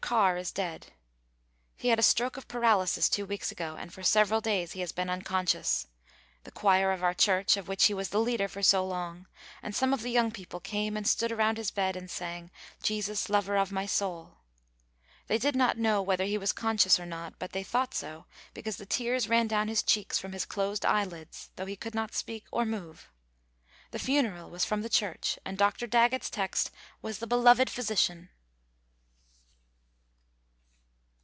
Carr is dead. He had a stroke of paralysis two weeks ago and for several days he has been unconscious. The choir of our church, of which he was leader for so long, and some of the young people came and stood around his bed and sang, "Jesus, Lover of My Soul." They did not know whether he was conscious or not, but they thought so because the tears ran down his cheeks from his closed eyelids, though he could not speak or move. The funeral was from the church and Dr. Daggett's text was, "The Beloved Physician."